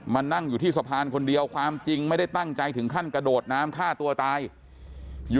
นั่งอยู่ที่สะพานคนเดียวความจริงไม่ได้ตั้งใจถึงขั้นกระโดดน้ำฆ่าตัวตายอยู่